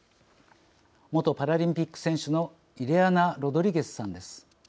元パラリンピック選手のイレアナ・ロドリゲスさんです。